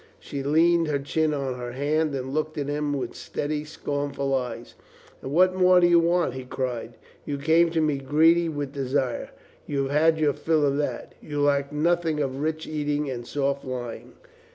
She leaned her chin on her hand and looked at him with steady, scornful eyes. "And what more do you want?" he cried. "You came to me greedy with desire. You have had your fill of that. You lack nothing of rich eating and soft lying.